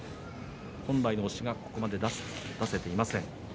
本来の押しが出せていません。